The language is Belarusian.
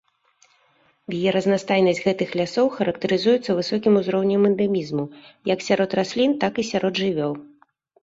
Біяразнастайнасць гэтых лясоў характарызуецца высокім узроўнем эндэмізму як сярод раслін, так і сярод жывёл.